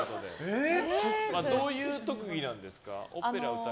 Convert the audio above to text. どういう特技なんですか。